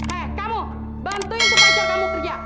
hei kamu bantuin supacara kamu kerja